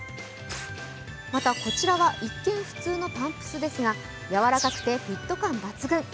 また、こちらは、一見普通のパンプスですが、やわらかくてフィット感抜群。